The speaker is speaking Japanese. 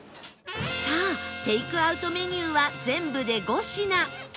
さあテイクアウトメニューは全部で５品